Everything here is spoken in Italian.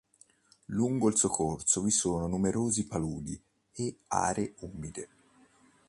Lungo il suo corso vi sono numerose paludi e aree umide.